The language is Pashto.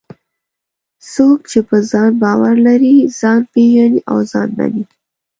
څوک چې په ځان باور لري، ځان پېژني او ځان مني.